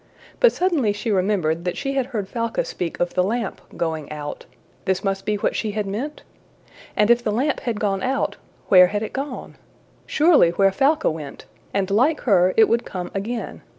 But suddenly she remembered that she had heard Falca speak of the lamp going out: this must be what she had meant? And if the lamp had gone out, where had it gone? Surely where Falca went, and like her it would come again.